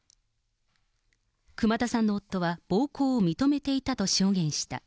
熊田さんの夫は暴行を認めていたと証言した。